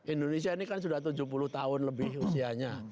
indonesia ini kan sudah tujuh puluh tahun lebih usianya